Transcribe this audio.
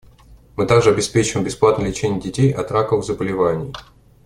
Мы также обеспечиваем бесплатное лечение детей от раковых заболеваний.